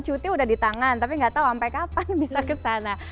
cuti udah di tangan tapi nggak tahu sampai kapan bisa kesana